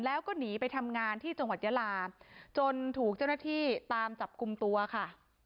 แล้วก็หนีไปทำงานที่จังหวัดยาลาจนถูกเจ้าหน้าที่ตามจับกลุ่มตัวค่ะ